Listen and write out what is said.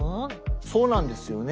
そうなんですよね。